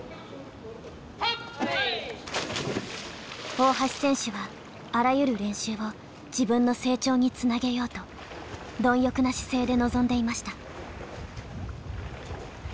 大橋選手はあらゆる練習を自分の成長につなげようと貪欲な姿勢で臨んでいました。